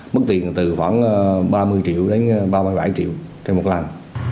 mức tiền từ khoảng ba mươi triệu đến ba mươi bảy triệu trên một lần